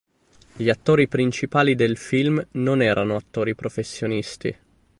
Gli attori principali del film non erano attori professionisti.